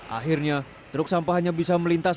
akhirnya truk sampah hanya bisa melintas